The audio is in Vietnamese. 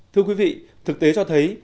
thưa quý vị thực tế cho thấy